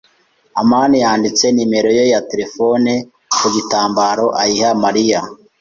amani yanditse nimero ye ya terefone ku gitambaro ayiha Mariya.